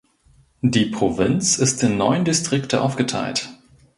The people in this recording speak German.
Die Provinz ist in neun Distrikte aufgeteilt.